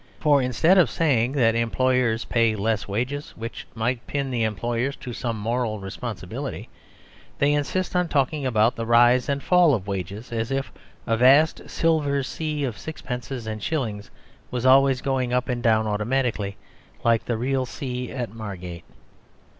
For instead of saying that employers pay less wages, which might pin the employers to some moral responsibility, they insist on talking about the "rise and fall" of wages; as if a vast silver sea of sixpences and shillings was always going up and down automatically like the real sea at Margate.